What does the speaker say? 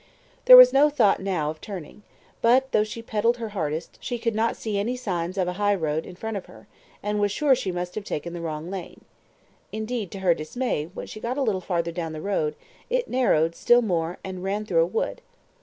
There was no thought now of turning; but, though she pedalled her hardest, she could not see any signs of a highroad in front of her, and was sure she must have taken the wrong lane. Indeed, to her dismay, when she got a little farther down the road, it narrowed still more and ran through a wood.